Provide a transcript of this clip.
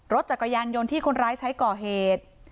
รถจักรยานยนต์ที่คนร้ายใช้ก่อเหตุ